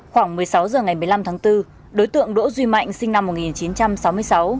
khoảng một mươi sáu h ngày một mươi năm tháng bốn đối tượng đỗ duy mạnh sinh năm một nghìn chín trăm sáu mươi sáu